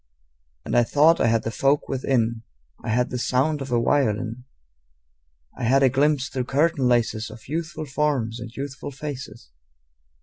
And I thought I had the folk within: I had the sound of a violin; I had a glimpse through curtain laces Of youthful forms and youthful faces.